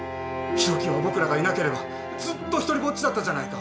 博喜は僕らがいなければずっと独りぼっちだったじゃないか。